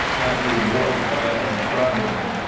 Abdul Mourak eyed him, frowningly.